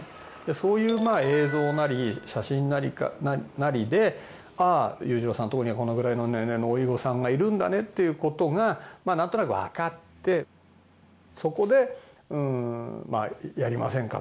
そういう映像なり写真なりで「ああ裕次郎さんのとこにはこのぐらいの年齢の甥御さんがいるんだね」っていう事がまあなんとなくわかってそこでまあ「やりませんか？」